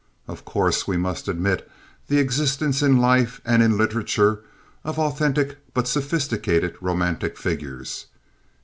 Of course we must admit the existence in life and in literature of authentic but sophisticated romantic figures.